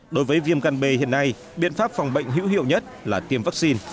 đối với viêm gan b hiện nay biện pháp phòng bệnh hữu hiệu nhất là tiêm vaccine